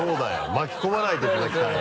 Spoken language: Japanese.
巻き込まないでいただきたいよ。